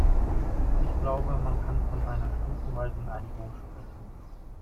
Ich glaube, man kann von einer stufenweisen Einigung sprechen.